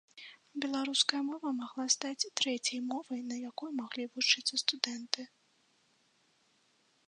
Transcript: Беларуская мова магла стаць трэцяй мовай, на якой маглі вучыцца студэнты.